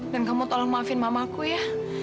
kamu tolong maafin mamaku ya